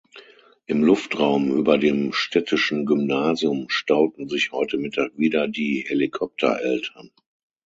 Im Luftraum über dem städtischen Gymnasium stauten sich heute Mittag wieder die Helikopter-Eltern.